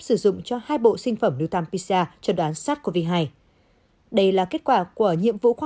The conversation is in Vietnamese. sử dụng cho hai bộ sinh phẩm ryutampicia cho đoán sars cov hai đây là kết quả của nhiệm vụ khoa